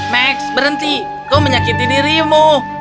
max berhenti kau menyakiti dirimu